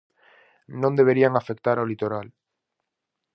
Non deberían afectar ao litoral.